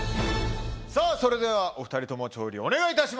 さぁそれではお２人とも調理お願いいたします。